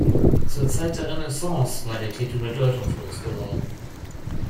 Zur Zeit der Renaissance war der Titel bedeutungslos geworden.